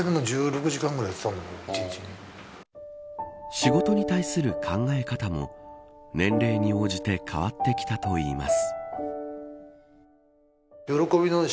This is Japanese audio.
仕事に対する考え方も年齢に応じて変わってきたといいます。